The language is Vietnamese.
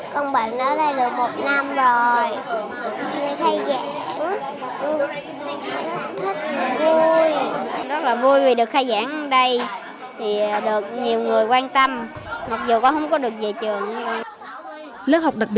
con bệnh ở đây được một năm rồi xin lời khai giảng rất thích rất vui